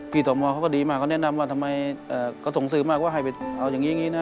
พี่สมมติเขาก็ดีมากเขาแนะนำว่าทำไมก็ส่งสื่อมากว่าให้ไปเอาอย่างนี้นะ